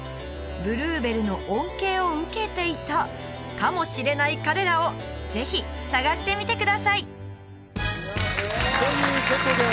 ブルーベルの恩恵を受けていたかもしれない彼らをぜひ探してみてくださいということで